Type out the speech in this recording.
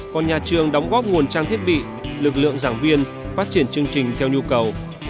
còn nhà trường đóng góp nguồn trang thiết bị lực lượng giảng viên phát triển chương trình theo nhu cầu